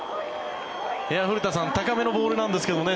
古田さん高めのボールなんですけどね。